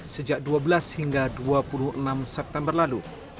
sejak dua belas hingga dua puluh enam september lalu